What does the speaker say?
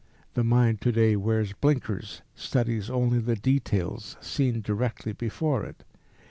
The mind to day wears blinkers, studies only the details seen directly before it.